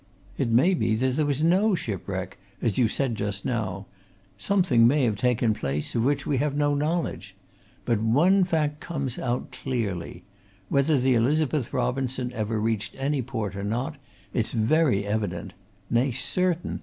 It may be that there was no shipwreck, as you said just now something may have taken place of which we have no knowledge. But one fact comes out clearly whether the Elizabeth Robinson ever reached any port or not, it's very evident nay, certain!